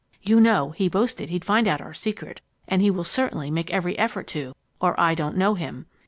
You know, he boasted he'd find out our secret, and he will certainly make every effort to, or I don't know him.